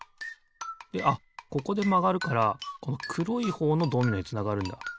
であっここでまがるからこのくろいほうのドミノへつながるんだ。